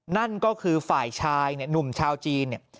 นั่นก็คือฝ่ายชายหนุ่มชาวจีน